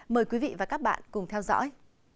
mời quý vị và các bạn cùng theo dõi